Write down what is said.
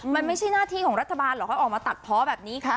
มันไม่ใช่หน้าที่ของรัฐบาลเหรอเขาออกมาตัดเพาะแบบนี้